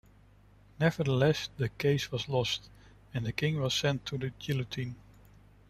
Nevertheless, the case was lost, and the king was sent to the guillotine.